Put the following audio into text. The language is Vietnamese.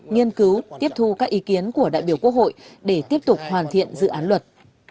nghiên cứu tiếp thu các ý kiến của đại biểu quốc hội để tiếp tục hoàn thiện dự án luật